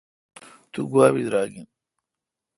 تو گوا براگ این